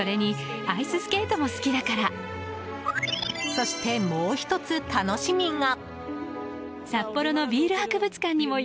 そしてもう１つ、楽しみが。